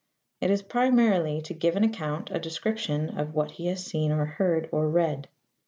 It is primarily to give an account, a description, of what he has seen or heard or read.